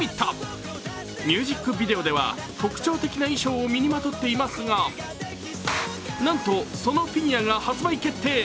ミュージックビデオでは特徴的な衣装を身にまとっていますが、なんと、そのフィギュアが発売決定